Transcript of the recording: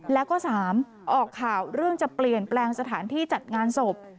แล้วก็๓ออกข่าวเรื่องจะเปลี่ยนแปลงสถานที่จัดงานศพ